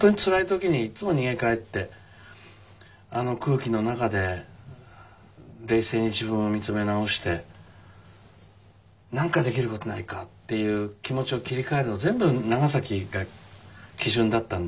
あの空気の中で冷静に自分を見つめ直してなんかできることないか？っていう気持ちを切り替えるの全部長崎が基準だったんで。